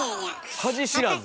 恥知らず！